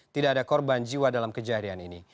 tidak ada korban jiwa dalam kejadian ini